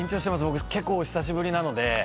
僕結構久しぶりなので。